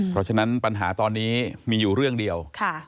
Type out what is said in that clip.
เพราะฉะนั้นปัญหาตอนนี้มีอยู่เรื่องเดียว